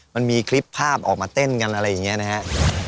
มันมีคลิปภาพออกมาเต้นกันอะไรอย่างนี้นะครับ